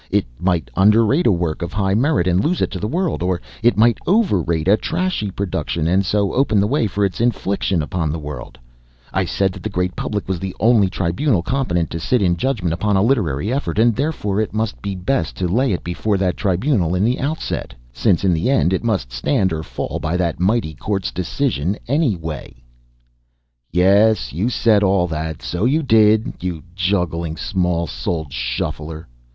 It might underrate a work of high merit and lose it to the world, or it might overrate a trashy production and so open the way for its infliction upon the world: I said that the great public was the only tribunal competent to sit in judgment upon a literary effort, and therefore it must be best to lay it before that tribunal in the outset, since in the end it must stand or fall by that mighty court's decision anyway." "Yes, you said all that. So you did, you juggling, small souled shuffler!